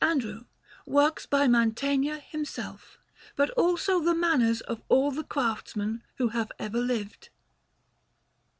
Andrew, works by Mantegna himself, but also the manners of all the craftsmen who have ever lived.